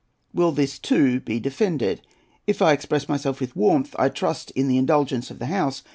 Will this too be defended? If I express myself with warmth I trust in the indulgence of the House.